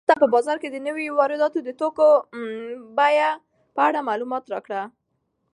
ماته په بازار کې د نويو وارداتي توکو د بیو په اړه معلومات راکړه.